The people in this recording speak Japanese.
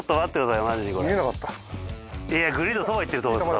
いやグリーンのそば行ってると思いますよ。